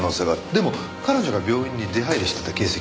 でも彼女が病院に出入りしてた形跡はない。